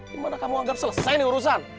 gimana kamu anggap selesai nih urusan